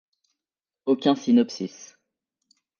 Aucun Synopsis.